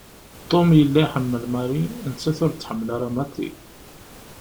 Tom yella iḥemmel Marie, nettat ur t-tḥemmel ara maḍi.